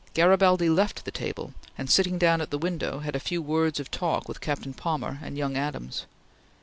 Garibaldi left the table, and, sitting down at the window, had a few words of talk with Captain Palmer and young Adams.